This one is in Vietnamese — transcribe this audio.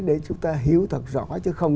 để chúng ta hiểu thật rõ chứ không